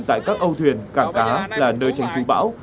tại các âu thuyền cảng cá là nơi tránh trú bão